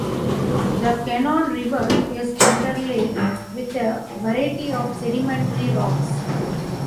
The Cannon River is underlaid with a variety of sedimentary rocks.